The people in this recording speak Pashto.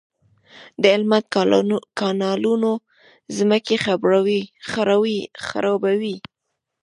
د هلمند کانالونه ځمکې خړوبوي.